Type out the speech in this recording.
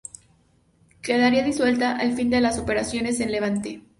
Quedaría disuelta al final de las operaciones en Levante.